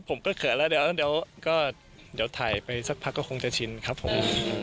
เขินแล้วเดี๋ยวก็เดี๋ยวถ่ายไปสักพักก็คงจะชินครับผม